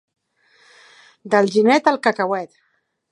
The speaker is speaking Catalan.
D'Alginet, el cacauet.